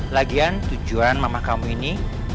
lagian tujuan mama kamu ini